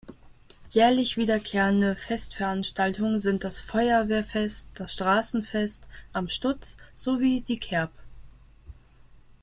Jährlich wiederkehrende Festveranstaltungen sind das Feuerwehrfest, das Straßenfest "Am Stutz", sowie die Kerb.